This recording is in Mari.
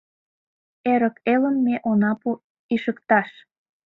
Эрык элым Ме она пу ишыкташ!